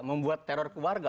membuat teror ke warga